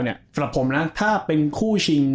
สำหรับผมนะถ้าเป็นคู่ชิง